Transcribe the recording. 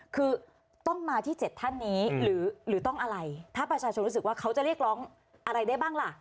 คือต้องมาที่๗ท่านนี้หรือต้องอะไรถ้าประชาชนรู้สึกว่าเขาจะเรียกร้องอะไรได้บ้างล่ะ